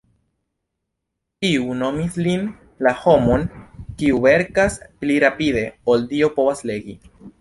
Iu nomis lin "la homon kiu verkas pli rapide ol Dio povas legi".